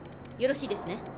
よろしいですね？